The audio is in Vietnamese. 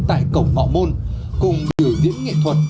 tại cổng họ môn cùng biểu diễn nghệ thuật